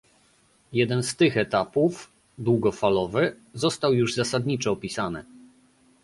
Jeden z tych etapów, długofalowy, został już zasadniczo opisany